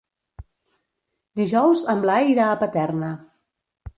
Dijous en Blai irà a Paterna.